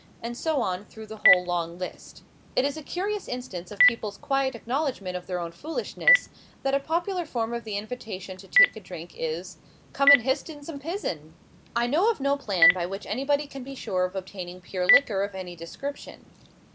And so on, through the whole long list. It is a curious instance of people's quiet acknowledgment of their own foolishness, that a popular form of the invitation to take a drink is, "Come and h'ist in some pizen!" I know of no plan by which anybody can be sure of obtaining pure liquor of any description.